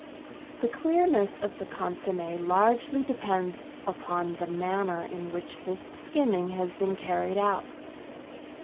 The clearness of the consomm^ largely depends upon the manner in which this skimming has been carried out.